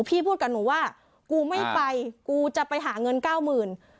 พี่พูดกับหนูว่าผมไม่ไปผมจะไปหาเงิน๙๐๐๐๐๘๐๐๐๐